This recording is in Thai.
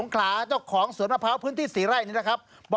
ขายาวนะครับ